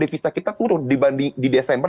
devisa kita turun dibanding di desember